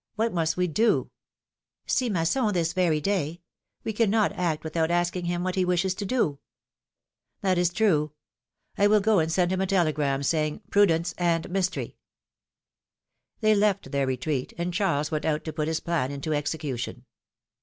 What must we do ?" See Masson this very day ! We cannot act without asking him what he wishes to do." ^^That is true! Twill go and send him a telegram, saying : ^Prudence and mystery! '" 244 PHIL0M^:NE'S MAREIAGES. They left their retreat, and Charles went out to put his plan into execution.